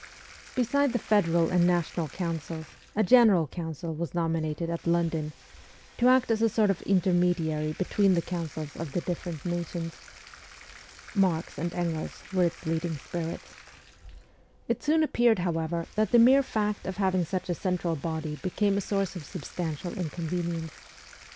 Beside the federal and national councils, a general council was nominated at London, to act as a sort of intermediary between the councils of the different nations. Marx and Engels were its leading spirits. It soon appeared, however, that the mere fact of having such a central body became a source of substantial inconvenience.